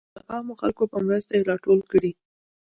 او د عامو خلکو په مرسته راټول کړي .